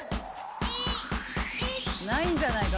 ないんじゃないか？